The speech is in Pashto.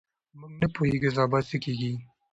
موږ نه پوهېږو سبا څه کیږي.